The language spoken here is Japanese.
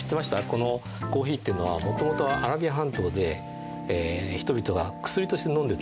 このコーヒーっていうのはもともとはアラビア半島で人々が薬として飲んでたんですよ。